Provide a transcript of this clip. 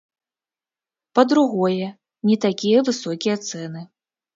Па-другое, не такія высокія цэны.